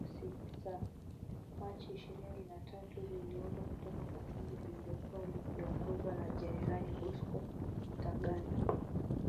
Kundi la waasi sa Machi ishirini na tatu liliundwa kutoka kwa kundi lililokuwa likiongozwa na Jenerali Bosco Ntaganda